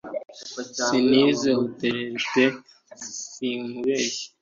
Sinize hotelerie pe sinkubeshye